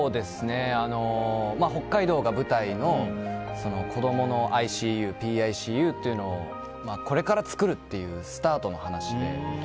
北海道が舞台の、子供のＩＣＵ、ＰＩＣＵというのをこれから作るというスタートの話で。